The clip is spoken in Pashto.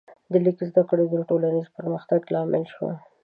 د لیک زده کړه د ټولنیز پرمختګ لامل شوه.